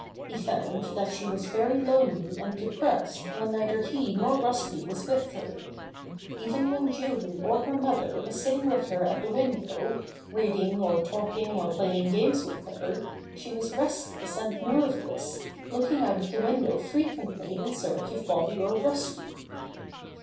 He found that she was very lonely and depressed when neither he nor Rusty was with her. Even when Julie or her mother was sitting with her at the window, reading or talking or playing games with her, she was restless and nervous, looking out of the win dow frequently in search of Bobby or Rusty.